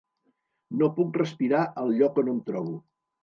No puc respirar al lloc on em trobo.